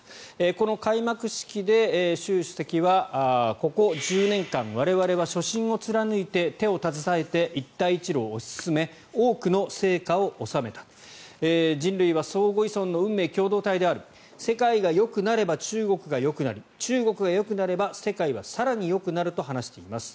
この開幕式で習主席はここ１０年間我々は初心を貫いて手を携えて一帯一路を推し進め多くの成果を収めた人類は相互依存の運命共同体である世界がよくなれば中国がよくなり中国がよくなれば世界は更によくなると話しています。